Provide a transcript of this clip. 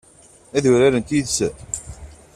Ad urarent yid-sen?